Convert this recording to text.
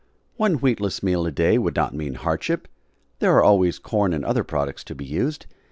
One wheatless meal a day would not mean hardship; there are always corn and other products to be used.